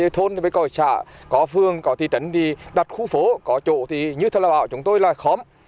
thôn thì có xã có phương có thị trấn thì đặt khu phố có chỗ thì như thầy lao bảo chúng tôi là khóm